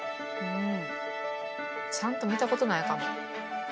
ちゃんと見たことないかも。